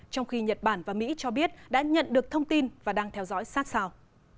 trong khi nhật bản và mỹ cho biết đã nhận được thông tin và đang theo dõi sát sao